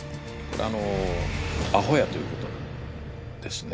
あのアホやということなんですね。